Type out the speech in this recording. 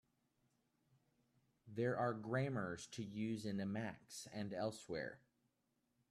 There are grammars to use in Emacs and elsewhere.